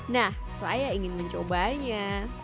nah saya ingin mencobanya